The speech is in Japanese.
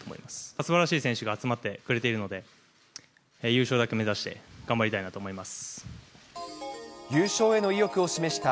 すばらしい選手が集まってくれているので、優勝だけ目指して、頑張りたいと思います。